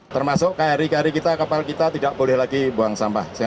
termasuk keari keari kita kapal kita tidak boleh lagi buang sampah